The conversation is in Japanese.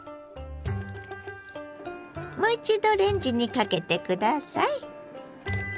もう一度レンジにかけて下さい。